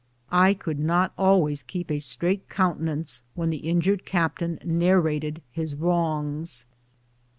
I could not always keep a straight countenance when the in jured captain narrated his wrongs.